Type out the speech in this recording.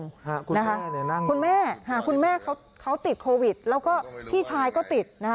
คุณแม่เขาติดโควิดแล้วก็พี่ชายก็ติด